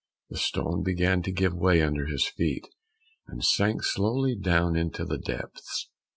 The stone began to give way under his feet, and sank slowly down into the depths.